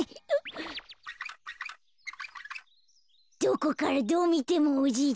どこからどうみてもおじいちゃんだ。